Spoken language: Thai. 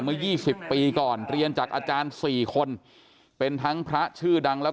เมื่อ๒๐ปีก่อนเรียนจากอาจารย์๔คนเป็นทั้งพระชื่อดังแล้วก็